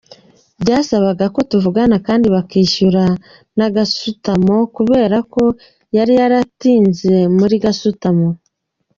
Byasabaga ko tuvugana kandi bakishyura na gasutamo kubera ko yari yaratinze muri za gasutamo.